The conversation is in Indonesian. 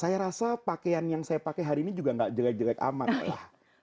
saya rasa pakaian yang saya pakai hari ini juga gak jelek jelek amat lah